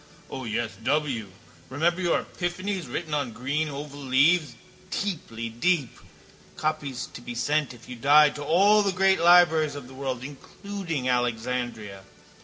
O yes, W. Remember your epiphanies written on green oval leaves, deeply deep, copies to be sent if you died to all the great libraries of the world, including Alexandria?